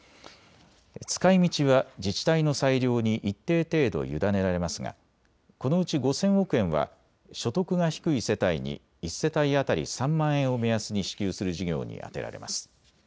使いみちは自治体の裁量に一定程度委ねられますがこのうち５０００億円は所得が低い世帯に１世帯当たり３万円を目安に支給する事業に充てられます。